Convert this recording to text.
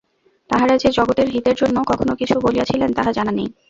তাঁহারা যে জগতের হিতের জন্য কখনও কিছু বলিয়াছিলেন, তাহা জানা নেই।